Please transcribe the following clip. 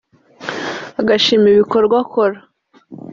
agashima ibikorwa akora